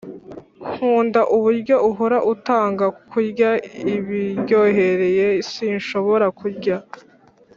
nkunda uburyo uhora utanga kurya ibiryohereye sinshobora kurya